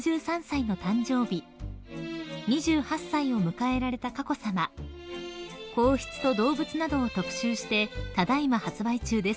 ［２８歳を迎えられた佳子さま皇室と動物などを特集してただ今発売中です］